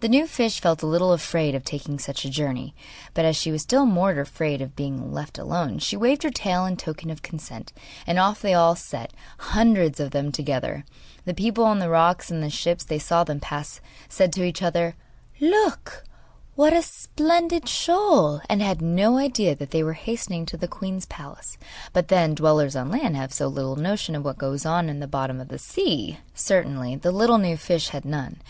The new fish felt a little afraid of taking such a journey; but as she was still more afraid of being left alone, she waved her tail in token of consent, and off they all set, hundreds of them together. The people on the rocks and in the ships that saw them pass said to each other: 'Look what a splendid shoal!' and had no idea that they were hastening to the queen's palace; but, then, dwellers on land have so little notion of what goes on in the bottom of the sea! Certainly the little new fish had none.